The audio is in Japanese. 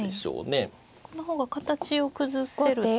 この方が形を崩せると。